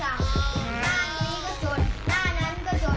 หน้านี้ก็สุดหน้านั้นก็จด